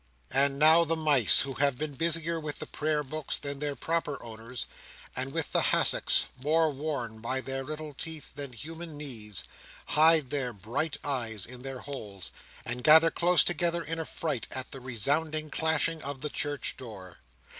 And now, the mice, who have been busier with the prayer books than their proper owners, and with the hassocks, more worn by their little teeth than by human knees, hide their bright eyes in their holes, and gather close together in affright at the resounding clashing of the church door.